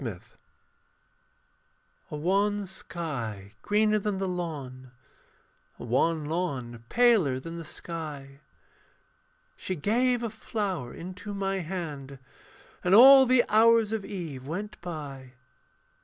VANITY A wan sky greener than the lawn, A wan lawn paler than the sky. She gave a flower into my hand, And all the hours of eve went by.